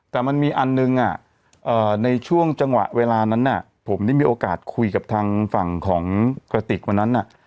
แต่มันมีอันหนึ่งในช่วงจังหวะเวลานั้นผมได้มีโอกาสคุยกับทางฝั่งของกระติกวันนั้น